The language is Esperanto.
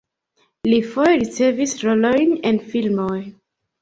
Li foje ricevis rolojn en filmoj.